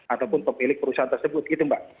ataupun pemilik perusahaan tersebut gitu mbak